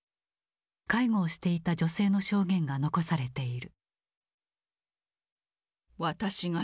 介護をしていた女性の証言が残されている。